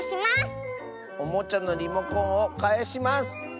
おもちゃのリモコンをかえします。